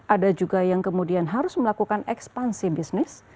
ada juga yang kemudian harus melakukan ekspansi bisnis